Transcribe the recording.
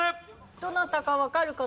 どなたかわかる方。